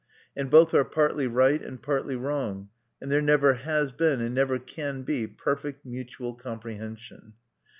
And both are partly right and partly wrong; and there never has been, and never can be, perfect mutual comprehension.